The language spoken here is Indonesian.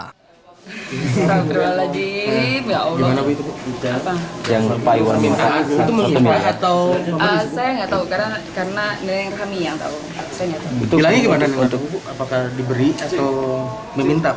karena neneng kami yang tahu